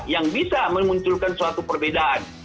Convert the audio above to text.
yang bisa memunculkan suatu perbedaan